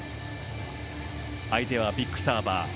相手はビッグサーバー。